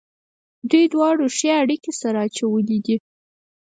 دوی دواړو ښې اړېکې سره اچولې دي.